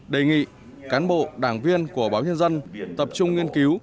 đề nghị cán bộ đảng viên của báo nhân dân tập trung nghiên cứu